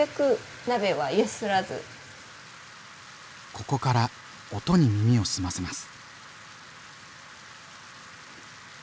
ここから音に耳を澄ませます。